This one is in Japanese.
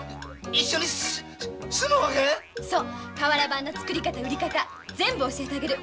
瓦版の作り方売り方全部教えてあげる。